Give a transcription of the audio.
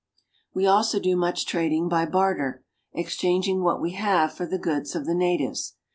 We also do much trading by barter, exchanging what we have for the goods of the natives.